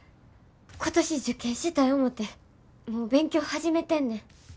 今年受験したい思てもう勉強始めてんねん。